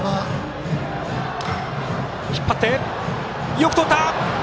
よくとった！